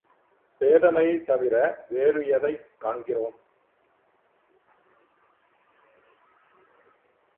பேதமையைத் தவிர வேறு எதைக் காண்கிறோம்!